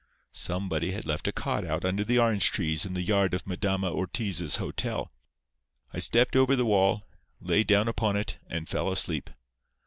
Somebody had left a cot out under the orange trees in the yard of Madama Ortiz's hotel. I stepped over the wall, laid down upon it, and fell asleep.